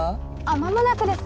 間もなくです。